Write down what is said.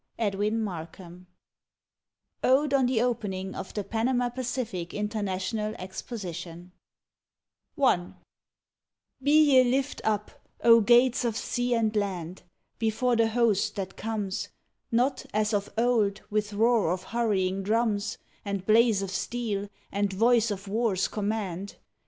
EDWiN MARKHAM ODE ON THE OPENING OF THE PANAMA PACIFIC INTERNATIONAL EXPOSITION I Be ye lift up, O gates of sea and land, Before the host that comes, Not, as of old, with roar of hurrying drums, And blaze of steel, and voice of war s command